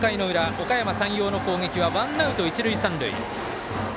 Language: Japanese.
おかやま山陽の攻撃はワンアウト、一塁三塁。